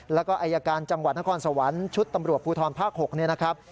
แล้วก็อายการจังหวัดนครสวรรค์ชุดตำรวจภูทรภาค๖เนี่ยนะครับ